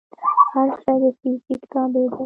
هر شی د فزیک تابع دی.